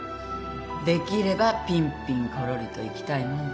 できればピンピンコロリといきたいもんだ。